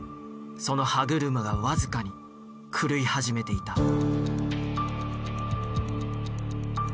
その歯車が僅かに狂い始めていた。